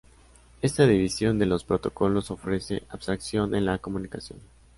Esta división de los protocolos ofrece abstracción en la comunicación.